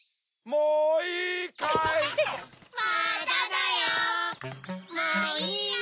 もういいよ！